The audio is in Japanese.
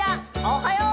おはよう！